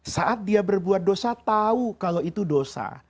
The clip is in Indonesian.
saat dia berbuat dosa tahu kalau itu dosa